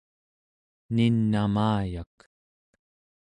nin'amayak